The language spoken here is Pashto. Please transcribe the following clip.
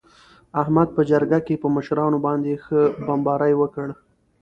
احمد په جرگه کې په مشرانو باندې ښه بمباري وکړه.